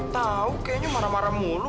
tau kayaknya marah marah mulu